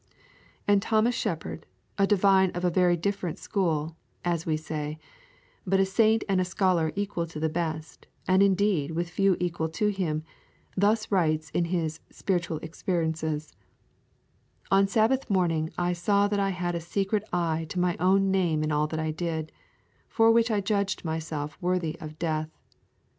And Thomas Shepard, a divine of a very different school, as we say, but a saint and a scholar equal to the best, and indeed with few to equal him, thus writes in his Spiritual Experiences: 'On Sabbath morning I saw that I had a secret eye to my own name in all that I did, for which I judged myself worthy of death.